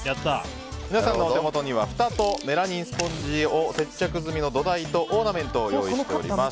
皆さんのお手元にはふたとメラミンスポンジを接着済みの土台とオーナメントを用意しております。